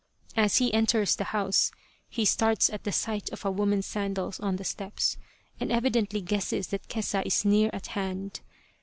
As he enters the house he starts at the sight of a woman's sandals on the steps, and evidently guesses that Kesa is near at hand.